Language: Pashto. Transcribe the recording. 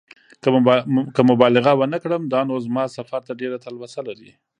که مبالغه ونه کړم دا نو زما سفر ته ډېره تلوسه لري.